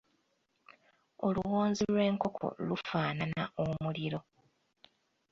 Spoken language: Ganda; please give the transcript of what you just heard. Oluwonzi lw’enkoko lufaanana omuliro.